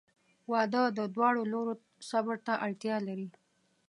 • واده د دواړو لورو صبر ته اړتیا لري.